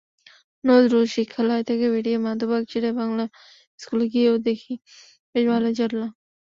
নজরুল শিক্ষালয় থেকে বেরিয়ে মধুবাগ শেরেবাংলা স্কুলে গিয়েও দেখি বেশ ভালোই জটলা।